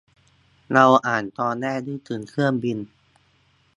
เราอ่านตอนแรกนึกถึงเครื่องบิน